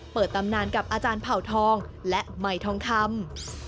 ตำนานกับอาจารย์เผ่าทองและใหม่ทองคำ